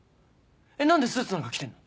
何でスーツなんか着てんの？